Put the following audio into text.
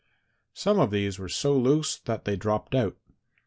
Some of these were so loose that they dropped out.